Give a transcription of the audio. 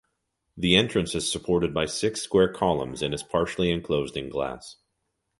The entrance is supported by six square columns and is partially enclosed in glass.